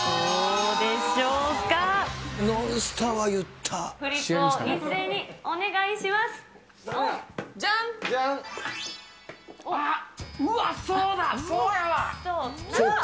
どうでしょうか。